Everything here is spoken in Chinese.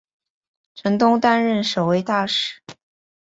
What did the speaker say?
陈东担任首位大使。